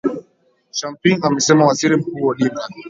shamping amesema waziri mkuu odinga